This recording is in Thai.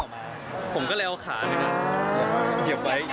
ยืมกับตัวตัวว่ะ